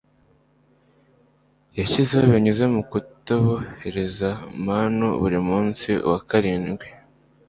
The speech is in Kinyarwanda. yashyizeho binyuze mu kutaboherereza manu buri munsi wa karindwi